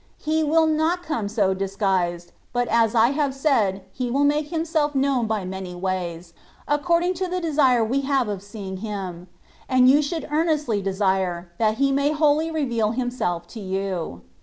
He will not come so disguised, but as I have said He will make Himself known by many ways, according to the desire we have of seeing Him ; and you should earnestly desire, that He may wholly reveal Him self to you.